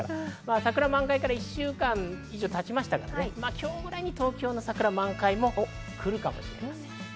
桜満開から１週間以上経ちましたけど、今日くらいに東京の桜は満開が来るかもしれません。